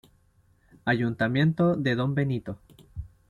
Ayuntamiento de Don Benito".